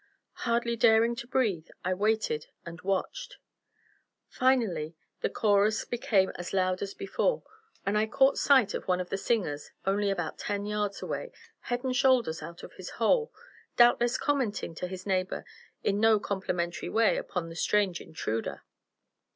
Hardly daring to breathe, I waited and watched. Finally the chorus became as loud as before, and I caught sight of one of the singers only about ten yards away, head and shoulders out of his hole, doubtless commenting to his neighbor in no complimentary way upon the strange intruder.